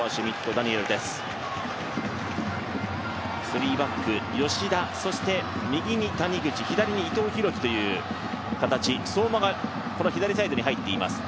スリーバック、吉田、右に谷口、左に伊藤洋輝という形、相馬がこの左サイドに入っています。